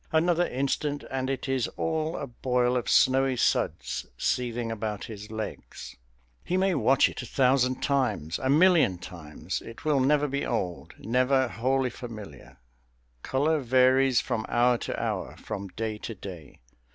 Another instant, and it is all a boil of snowy suds seething about his legs. He may watch it a thousand times, a million times; it will never be old, never wholly familiar. Colour varies from hour to hour, from day to day.